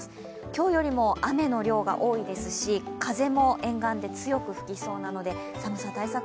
今日よりも雨の量が多いですし、風も沿岸で強く吹きそうなので寒さ対策